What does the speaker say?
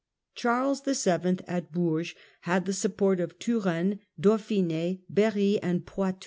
Charles VH. at Bourges had the support of Touraine, Dauphine, Berry and Poitou.